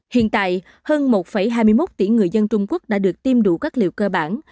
hiện tại hơn một hai mươi một tỷ người dân trung quốc đã được tiêm đủ các liệu cơ bản